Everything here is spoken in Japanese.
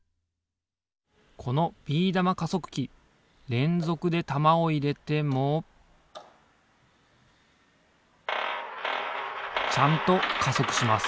このビー玉加速器れんぞくで玉をいれてもちゃんと加速します